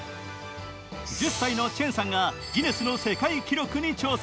１０歳のチェンさんがギネスの世界記録に挑戦。